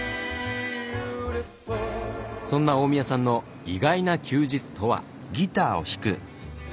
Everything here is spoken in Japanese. そんな大宮さんの意外な休日とは？